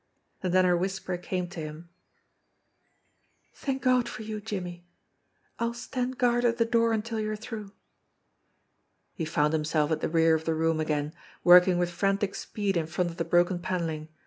And then her whisper came to him: "Thank God for you, Jimmie ! I'll stand guard at the door until you're through." He found himself at the rear of the room again, working with frantic speed in front of the broken panelling.